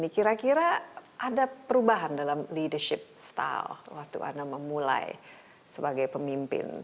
kira kira ada perubahan dalam leadership style waktu anda memulai sebagai pemimpin